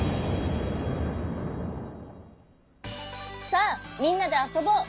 さあみんなであそぼう！